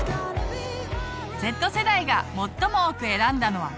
Ｚ世代が最も多く選んだのはＢ。